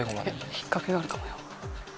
引っ掛けがあるかもよ。